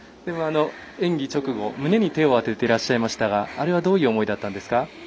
演技直後、胸に手を当てていらっしゃいましたがあれはどういう思いだったんですか。